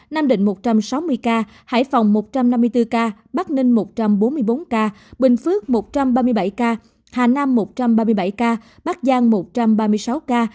nam định một trăm sáu mươi ca hải phòng một trăm năm mươi bốn ca bắc ninh một trăm bốn mươi bốn ca bình phước một trăm ba mươi bảy ca hà nam một trăm ba mươi bảy ca bắc giang một trăm ba mươi sáu ca